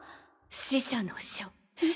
死者の書。へ！？